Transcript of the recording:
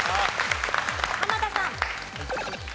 濱田さん。